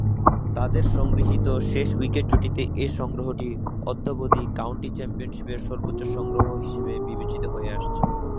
তাদের সংগৃহীত শেষ উইকেট জুটিতে এ সংগ্রহটি অদ্যাবধি কাউন্টি চ্যাম্পিয়নশীপের সর্বোচ্চ সংগ্রহ হিসেবে বিবেচিত হয়ে আসছে।